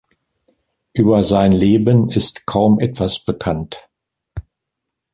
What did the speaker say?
Über sein Leben ist kaum etwas bekannt.